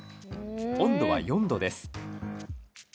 温度は４度です。